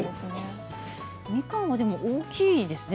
みかん大きいですね